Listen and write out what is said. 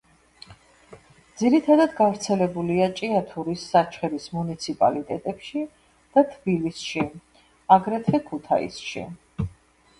ძირითადად გავრცელებულია ჭიათურის, საჩხერის მუნიციპალიტეტებში და თბილისში, აგრეთვე ქუთაისში.